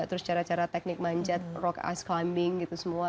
terus cara cara teknik manjat rock ice climbing gitu semua